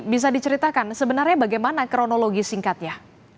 bisa diceritakan sebenarnya bagaimana kronologi singkatnya